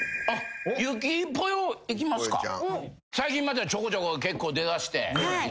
最近またちょこちょこ結構出だして。